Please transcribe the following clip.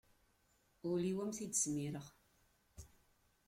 Ul-iw am t-id-smireɣ.